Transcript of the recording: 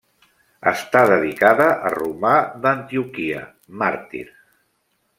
Està dedicada a Romà d'Antioquia, màrtir.